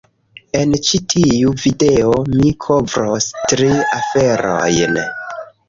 En ĉi tiu video, mi kovros tri aferojn